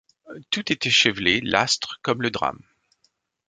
Tout est échevelé, l’astre comme le drame.